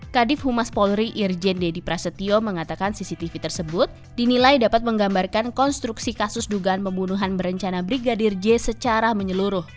kadif humas polri irjen deddy prasetyo mengatakan cctv tersebut dinilai dapat menggambarkan konstruksi kasus dugaan pembunuhan berencana brigadir j secara menyeluruh